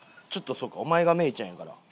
そうかお前が芽郁ちゃんやから。